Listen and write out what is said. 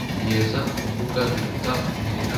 Kunyerera ku mbuga biruta kunyerera mu mvugo;